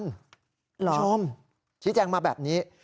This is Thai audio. คุณผู้ชมชี้แจงมาแบบนี้